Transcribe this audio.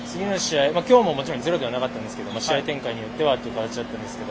今日ももちろんゼロではなかったんですが試合展開によってはという感じだったんですが